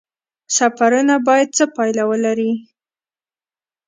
سفرونه باید څه پایله ولري؟